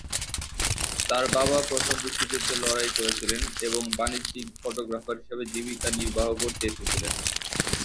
তাঁর বাবা প্রথম বিশ্বযুদ্ধে লড়াই করেছিলেন, এবং বাণিজ্যিক ফটোগ্রাফার হিসাবে জীবিকা নির্বাহ করতে এসেছিলেন।